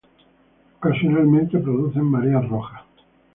Ocasionalmente producen mareas rojas.